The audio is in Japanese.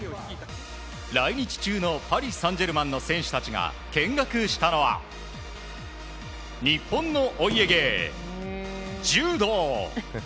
来日中のパリ・サンジェルマンの選手たちが見学したのは日本のお家芸、柔道。